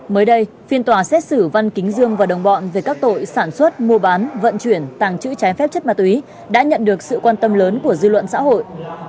mới đây phiên tòa xét xử văn kính dương và đồng bọn về các tội sản xuất mua bán vận chuyển tàng trữ trái phép chất ma túy đã nhận được sự quan tâm lớn của dư luận xã hội